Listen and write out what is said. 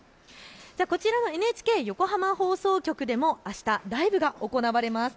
こちらのＮＨＫ横浜放送局でもあしたライブが行われます。